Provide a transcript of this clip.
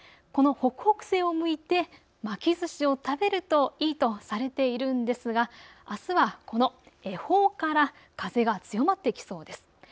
この北北西を向いて巻きずしを食べるといいとされているんですがあすはこの恵方から風が強まってきそうです。